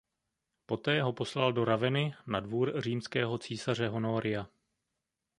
Poté ho poslal do Ravenny na dvůr římského císaře Honoria.